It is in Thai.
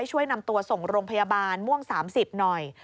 ช่วยนำตัวส่งโรงพยาบาลม่วง๓๐หน่อย